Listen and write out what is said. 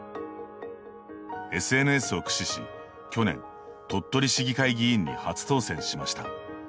ＳＮＳを駆使し、去年鳥取市議会議員に初当選しました。